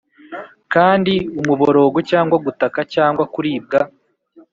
kandi umuborogo cyangwa gutaka cyangwa kuribwa